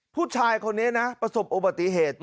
ผู้ชายคนนี้นะประสบอุบัติเหตุ